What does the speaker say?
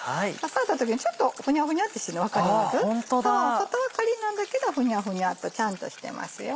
外はカリっなんだけどフニャフニャっとちゃんとしてますよ。